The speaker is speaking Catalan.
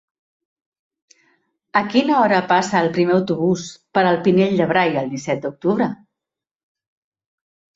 A quina hora passa el primer autobús per el Pinell de Brai el disset d'octubre?